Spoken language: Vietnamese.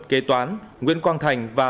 kế toán nguyễn quang thành và